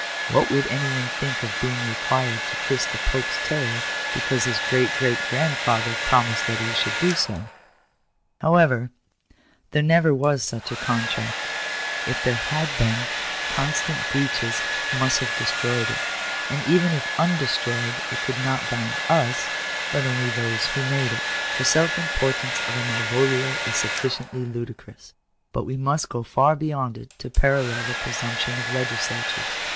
What would any one think of being required to kiss the Pope's toe, because his great great great grandfather promised that he should do so ? However, there never was such a contract. If there had been, constant breaches must have destroyed it And even if undestroyed it could not bind us, but only those who made it. §15. The self importance of a Malvolio is sufficiently ludicrous ; but we must go far beyond it to parallel the presumption of legislatures.